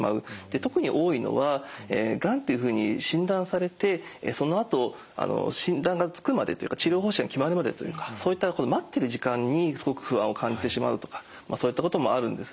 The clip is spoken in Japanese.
特に多いのはがんっていうふうに診断されてそのあと診断がつくまでというか治療方針が決まるまでというかそういった待ってる時間にすごく不安を感じてしまうとかそういったこともあるんですね。